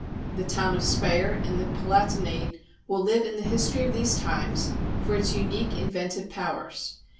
The town of Speyer in the Palatinate will live in the history of these times for its ^unique inventive powers.